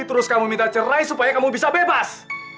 terus kamu minta cerai supaya kamu bisa bebas